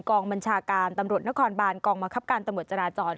กองบัญชาการตำรวจนครบานกองบังคับการตำรวจจราจร